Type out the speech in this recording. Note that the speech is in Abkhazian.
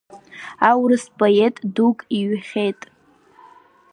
Аурыс поет дук иҩхьеит…